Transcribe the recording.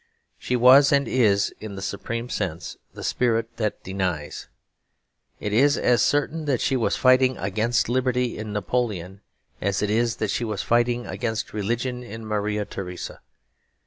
She was and is, in the supreme sense, the spirit that denies. It is as certain that she was fighting against liberty in Napoleon as it is that she was fighting against religion in Maria Theresa.